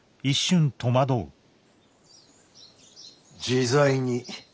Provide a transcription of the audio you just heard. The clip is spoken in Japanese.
自在に。